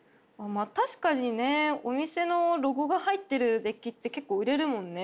まあ確かにねお店のロゴが入ってるデッキって結構売れるもんね。